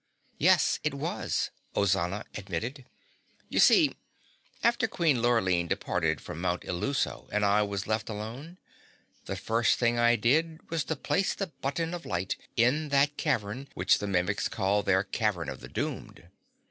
"Yes, it was," Ozana admitted. "You see, after Queen Lurline departed from Mount Illuso and I was left alone, the first thing I did was to place the button of light in that cavern which the Mimics call their Cavern of the Doomed.